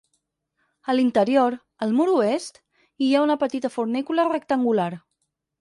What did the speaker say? A l'interior, al mur oest, hi ha una petita fornícula rectangular.